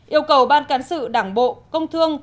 yêu cầu ban cán sự đảng bộ công thương